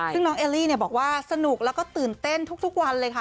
ซึ่งน้องเอลลี่บอกว่าสนุกแล้วก็ตื่นเต้นทุกวันเลยค่ะ